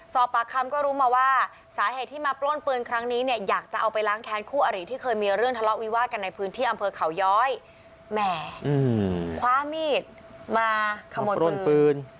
สอบปากคำก็รู้มาว่าสาเหตุที่มาปล้นปืนครั้งนี้เนี่ยอยากจะเอาไปล้างแค้นคู่อริที่เคยมีเรื่องทะเลาะวิวาดกันในพื้นที่อำเภอเขาย้อยแหมคว้ามีดมาขโมยปืน